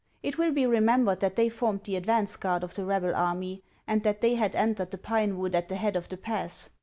It will be remembered that they formed the advance guard of the rebel army, and that they had entered the pine wood at the head of the pass.